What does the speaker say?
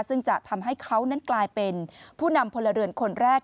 ซึ่งจะทำให้เขานั้นกลายเป็นผู้นำพลเรือนคนแรก